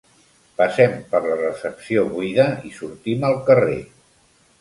Passem per la recepció buida i sortim al carrer.